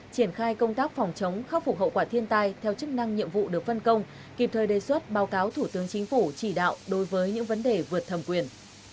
triển khai công tác phòng chống khắc phục hậu quả thiên tai theo chức năng nhiệm vụ được phân công kịp thời đề xuất báo cáo thủ tướng chính phủ chỉ đạo đối với những vấn đề vượt thẩm quyền